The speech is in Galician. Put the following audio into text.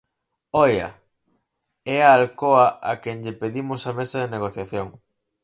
¡Oia!, é a Alcoa a quen lle pedimos a mesa de negociación.